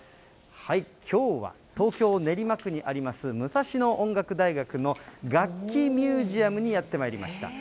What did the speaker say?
きょうは東京・練馬区にあります、武蔵野音楽大学の楽器ミュージアムにやってまいりました。